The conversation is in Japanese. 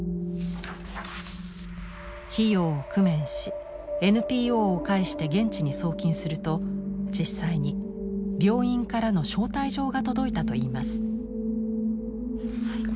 費用を工面しＮＰＯを介して現地に送金すると実際に病院からの招待状が届いたといいます。